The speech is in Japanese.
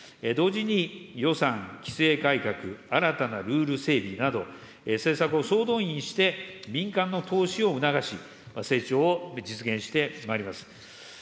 同時に、予算、規制改革、新たなルール整備など、政策を総動員して民間の投資を促し、成長を実現してまいります。